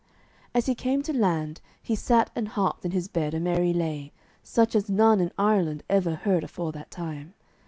As he came to land he sat and harped in his bed a merry lay, such as none in Ireland ever heard afore that time.